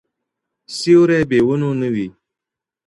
سیوری بې ونو نه وي.